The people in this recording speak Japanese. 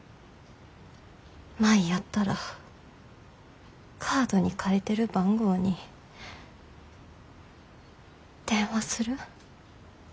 舞やったらカードに書いてる番号に電話する？